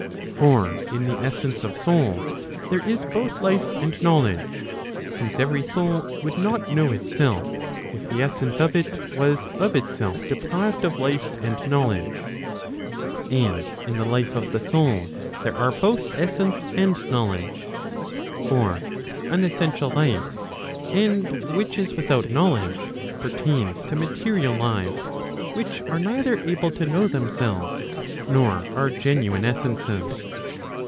For in the essence of soul there is both life and knowledge;' since every soul would not know itself, if the essence of it was of itself deprived of life and knowledge. And in the life of the soul there are both essence and knowledge. For unessential 1 life, and which is without knowledge, pertains to material lives, which are neither able to know themselves, nor are genuine essences.